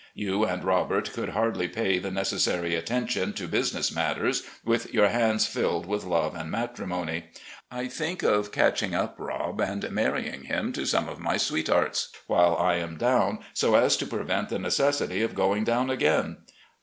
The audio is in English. You and Robert could hardly pay the necessary attention to business matters with your hands filled with love and matrimony. I think of catch ing up Rob and manying him to some of my sweethearts, while I am down, so as to prevent the necessity of going down again.